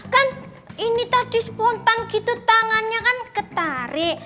kan ini tadi spontan gitu tangannya kan ketarik